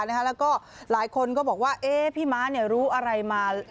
แล้วก็หลายคนก็บอกว่าพี่ม้ารู้อะไรมา